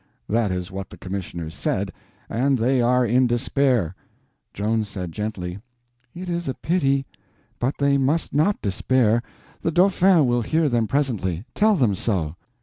That is what the commissioners said, and they are in despair." Joan said, gently: "It is pity, but they must not despair. The Dauphin will hear them presently. Tell them so."